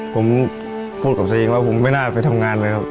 ผมพูดกับตัวเองว่าผมไม่น่าไปทำงานเลยครับ